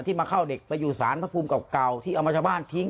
มาเข้าเด็กไปอยู่สารพระภูมิเก่าที่เอามาชาวบ้านทิ้ง